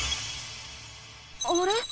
あれ？